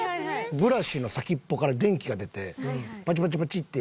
ブラシの先っぽから電気が出てバチバチバチって。